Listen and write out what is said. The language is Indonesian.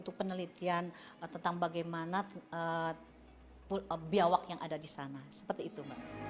itu penelitian tentang bagaimana biawak yang ada di sana seperti itu mbak